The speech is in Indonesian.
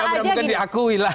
ya mungkin diakui lah